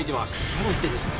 何言ってるんですか